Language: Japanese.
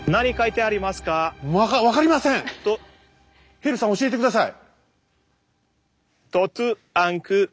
ヘルーさん教えて下さい。